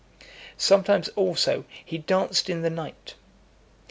Sometimes, also, (288) he danced in the night.